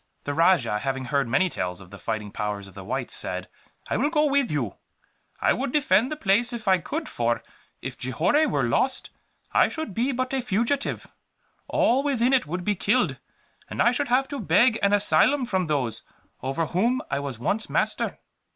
The rajah, having heard many tales of the fighting powers of the whites, said: "I will go with you. I would defend the place if I could for, if Johore were lost, I should be but a fugitive. All within it would be killed, and I should have to beg an asylum from those over whom I was once master."